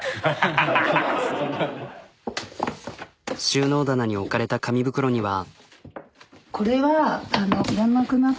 収納棚に置かれた紙袋には。